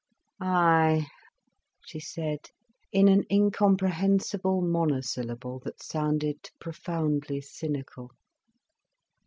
"Ay," she said, in an incomprehensible monosyllable, that sounded profoundly cynical.